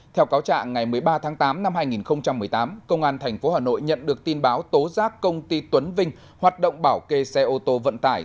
theo cáo trạng ngày một mươi ba tháng tám năm hai nghìn một mươi tám công an tp hà nội nhận được tin báo tố giác công ty tuấn vinh hoạt động bảo kê xe ô tô vận tải